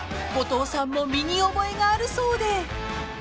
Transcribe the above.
［後藤さんも身に覚えがあるそうで］